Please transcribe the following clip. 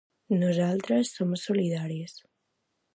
Nosaltres som solidaris.